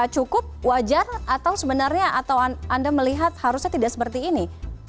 cukup wajar atau sebenarnya atau anda melihat harusnya tidak seperti ini